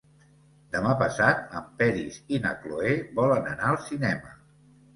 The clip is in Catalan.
Demà passat en Peris i na Cloè volen anar al cinema.